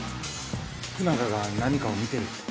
福永が何かを見てるって。